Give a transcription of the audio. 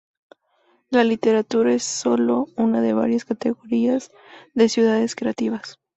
La literatura es sólo una de varias categorías de Ciudades Creativas.